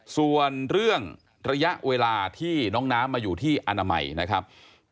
ส่วนเรื่องระยะเวลาที่น้องน้ำมาอยู่ที่อนามัยนะครับ